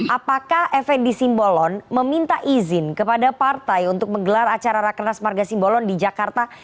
apakah fnd simbolon meminta izin kepada partai untuk menggelar acara rakenas marga simbolon di jakarta